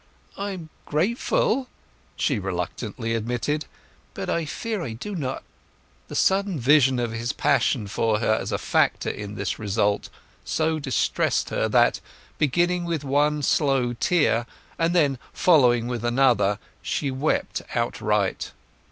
"I'm grateful," she reluctantly admitted. "But I fear I do not—" The sudden vision of his passion for herself as a factor in this result so distressed her that, beginning with one slow tear, and then following with another, she wept outright.